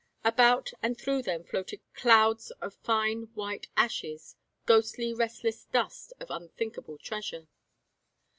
About and through them floated clouds of fine white ashes, ghostly restless dust of unthinkable treasure.